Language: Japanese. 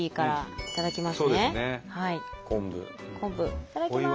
いただきます。